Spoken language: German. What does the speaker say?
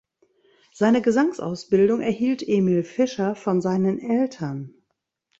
Seine Gesangsausbildung erhielt Emil Fischer von seinen Eltern.